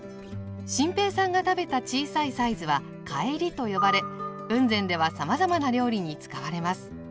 心平さんが食べた小さいサイズは「かえり」と呼ばれ雲仙ではさまざまな料理に使われます。